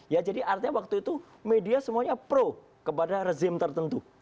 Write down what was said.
ya jadi artinya waktu itu media semuanya pro kepada rezim tertentu